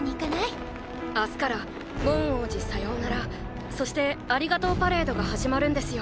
明日から「ボン王子さようならそしてありがとうパレード」が始まるんですよ。